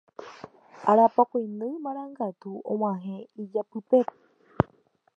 Arapokõindy Marangatu og̃uahẽ ijapýpe